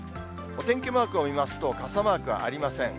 お天気マークを見ますと、傘マークはありません。